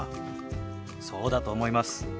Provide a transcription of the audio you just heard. そうだと思います。